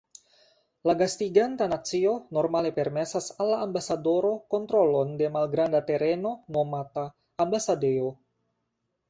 La gastiganta nacio normale permesas al la ambasadoro kontrolon de malgranda tereno nomata ambasadejo.